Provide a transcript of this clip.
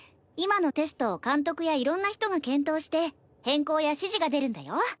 今のテストを監督やいろんな人が検討して変更や指示が出るんだよ。